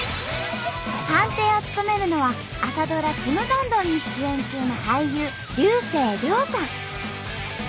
判定を務めるのは朝ドラ「ちむどんどん」に出演中の俳優竜星涼さん。